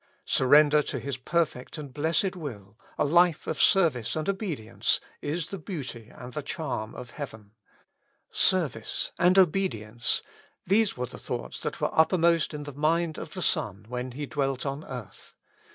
Surrender to His perfect and blessed will, a life of service and obedience, is the beauty 184 With Christ in the School of Prayer. and the charm of heaven. Service and obedience, these were the thoughts that were uppermost in the mind of the Son when He dwelt upon earth.